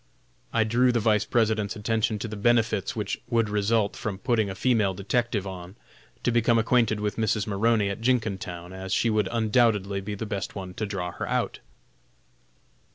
I drew the Vice President's attention to the benefits which would result from putting a female detective on, to become acquainted with Mrs. Maroney at Jenkintown, as she would undoubtedly be the best one to draw her out.